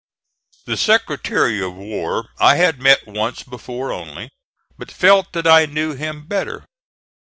The Secretary of War I had met once before only, but felt that I knew him better.